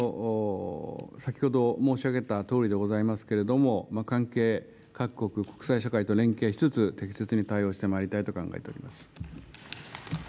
先ほど申し上げたとおりでございますけれども、関係各国、国際社会と連携しつつ、適切に対応してまいりたいと考えております。